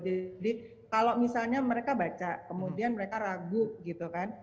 jadi kalau misalnya mereka baca kemudian mereka ragu gitu kan